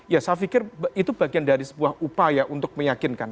ya saya pikir itu bagian dari sebuah upaya untuk meyakinkan